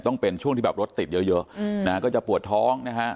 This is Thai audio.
ต้องเป็นช่วงที่แบบรถติดเยอะนะฮะก็จะปวดท้องนะฮะ